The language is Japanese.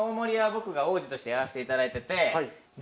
としてやらせていただいてて。